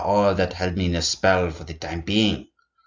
all that held me in a spell for the time being.